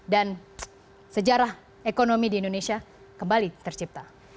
dan sejarah ekonomi di indonesia kembali tercipta